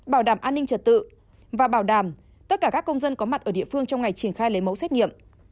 bảo đảm an ninh trật tự và bảo đảm tất cả các công dân có mặt ở địa phương trong ngày triển khai lấy mẫu xét nghiệm